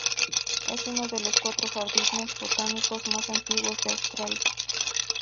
Es uno de los cuatro jardines botánicos más antiguos de Australia.